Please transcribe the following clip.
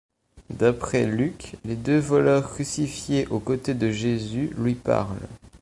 D’après Luc, les deux voleurs crucifiés aux côtés de Jésus lui parlent.